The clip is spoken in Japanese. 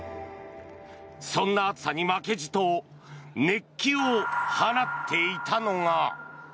そんな暑さに負けじと熱気を放っていたのが。